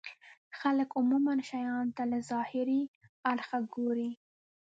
خلک عموما شيانو ته له ظاهري اړخه ګوري.